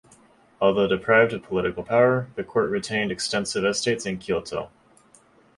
Although deprived of political power, the court retained extensive estates in Kyoto.